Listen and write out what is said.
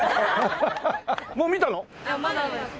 もう見たの？